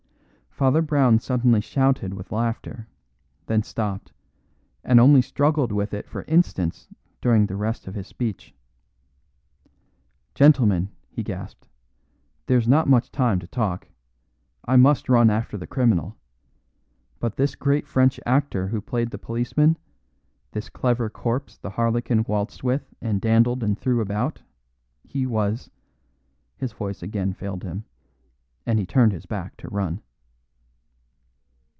Father Brown suddenly shouted with laughter, then stopped, and only struggled with it for instants during the rest of his speech. "Gentlemen," he gasped, "there's not much time to talk. I must run after the criminal. But this great French actor who played the policeman this clever corpse the harlequin waltzed with and dandled and threw about he was " His voice again failed him, and he turned his back to run.